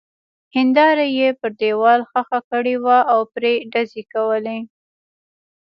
هېنداره يې پر دېوال ښخه کړې وه او پرې ډزې کولې.